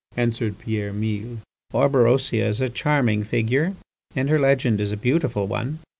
answered Pierre Mille. "Orberosia is a charming figure and her legend is a beautiful one.